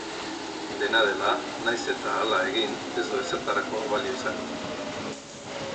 Dena dela, nahiz eta hala egin, ez du ezertarako balio izango.